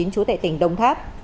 chú tại tỉnh đông tháp